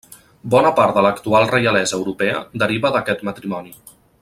Bona part de l'actual reialesa europea deriva d'aquest matrimoni.